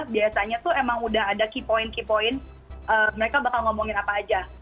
biasanya tuh emang udah ada key point key point mereka bakal ngomongin apa aja